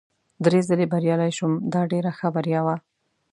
درې ځلي بریالی شوم، دا ډېره ښه بریا وه.